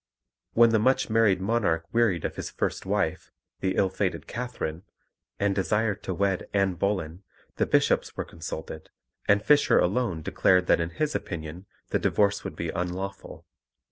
When the much married monarch wearied of his first wife, the ill fated Catherine, and desired to wed Anne Boleyn, the bishops were consulted, and Fisher alone declared that in his opinion the divorce would be unlawful.